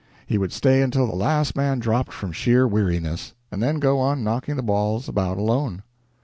He would stay until the last man dropped from sheer weariness, and then go on knocking the balls about alone.